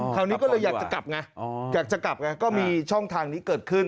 คราวนี้ก็เลยอยากจะกลับไงก็มีช่องทางนี้เกิดขึ้น